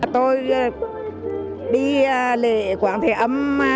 tôi đi lễ quán thế âm